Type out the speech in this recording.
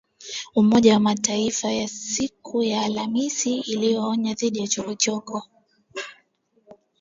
Umoja wa Mataifa siku ya Alhamis ulionya dhidi ya chokochoko